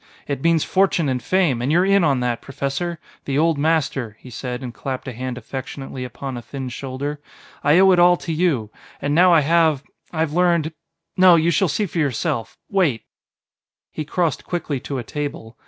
It means fortune and fame, and you're in on that, Professor. The old master," he said and clapped a hand affectionately upon a thin shoulder; "I owe it all to you. And now I have I have learned.... No, you shall see for yourself. Wait "He crossed quickly to a table.